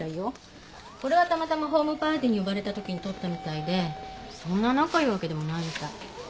これはたまたまホームパーティーに呼ばれたときに撮ったみたいでそんな仲いいわけでもないみたい。